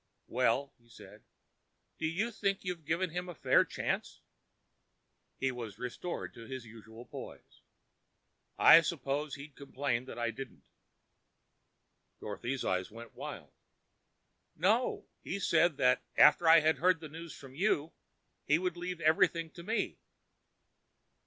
"Well?" he asked. "Do you think you've given him a fair chance?" He was restored to his usual poise. "I suppose he complained that I didn't." Dorothy's eyes went wide. "No, he said that after I had heard the news from you, he would leave everything to me."